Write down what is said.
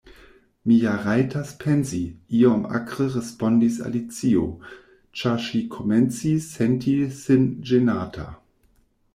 "Mi ja rajtas pensi," iom akre respondis Alicio, ĉar ŝi komencis senti sin ĝenata.